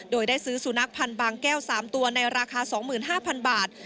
โดยได้ซื้อสุนัขพันธ์บางแก้ว๓ตัวในราคา๒๕๐๐๐บาท